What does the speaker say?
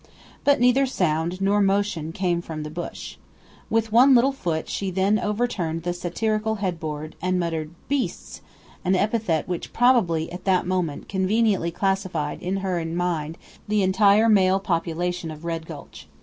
But neither sound nor motion came from the bush. With one little foot she then overturned the satirical headboard, and muttered "Beasts!" an epithet which probably, at that moment, conveniently classified in her mind the entire male population of Red Gulch.